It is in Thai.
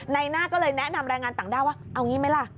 ในหน้าก็เลยแนะนำแรงงานต่างด้าวว่าเอางี้ไหมล่ะ